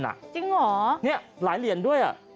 แร้เหรียญด้วย